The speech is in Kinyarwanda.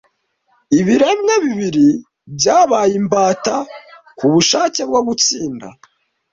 ibiremwa bibiri byabaye imbata kubushake bwo gutsinda